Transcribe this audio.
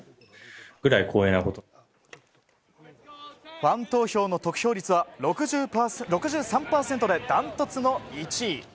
ファン投票の得票率は６３％でダントツの１位。